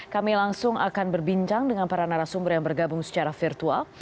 kami langsung akan berbincang dengan para narasumber yang bergabung secara virtual